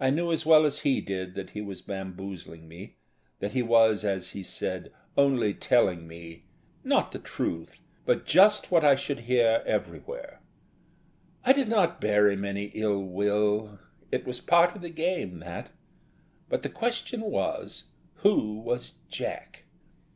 I knew as well as he did that he was bamboozling me, that he was, as he said, only telling me not the truth, but just what I should hear everywhere. I did not bear him any ill will; it was part of the game, that. But the question was, who was Jack?